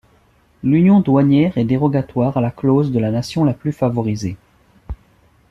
L'union douanière est dérogatoire à la clause de la nation la plus favorisée.